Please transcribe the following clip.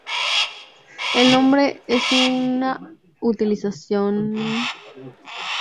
El nombre es aún utilizado como referencia a la región este de la isla.